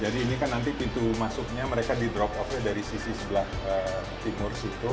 jadi ini kan nanti pintu masuknya mereka di drop off nya dari sisi sebelah timur situ